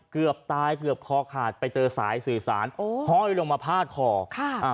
เกือบตายเกือบคอขาดไปเจอสายสื่อสารโอ้ห้อยลงมาพาดคอค่ะอ่า